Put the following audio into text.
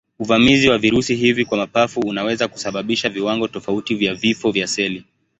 Uvamizi wa virusi hivi kwa mapafu unaweza kusababisha viwango tofauti vya vifo vya seli.